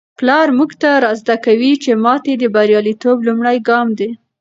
پلار موږ ته را زده کوي چي ماتې د بریالیتوب لومړی ګام دی.